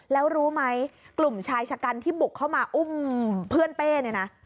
แล้วรู้ไหมกลุ่มชายชะกันที่บุกเข้ามาอุ้มเพื่อนเป้เนี่ยนะ